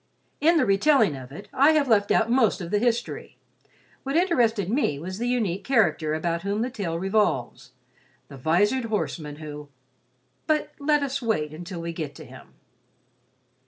In the retelling of it, I have left out most of the history. What interested me was the unique character about whom the tale revolves—the visored horseman who—but let us wait until we get to him.